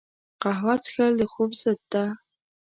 قهوه څښل د خوب ضد ده